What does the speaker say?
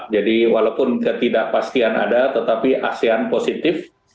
jadi walaupun ketidakpastian ada tetapi asean positif